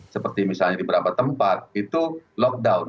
seperti misalnya di beberapa tempat itu lockdown